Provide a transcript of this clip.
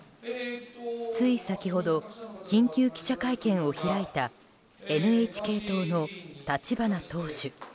つい先ほど緊急記者会見を開いたＮＨＫ党の立花党首。